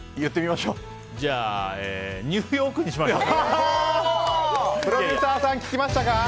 じゃあニューヨークにしましょう。